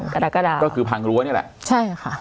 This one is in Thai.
กรกฎาก็คือพังรั้วนี่แหละใช่ค่ะ